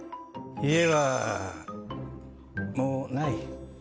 家はもうない。